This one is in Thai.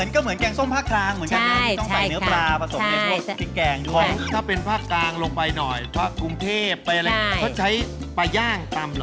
ก็เหมือนแกงส้มภาคกลางเหมือนกันนะต้องใส่เนื้อปลาผสมในพวกพริกแกงด้วยของถ้าเป็นภาคกลางลงไปหน่อยเพราะกรุงเทพไปอะไรเขาใช้ปลาย่างตำอยู่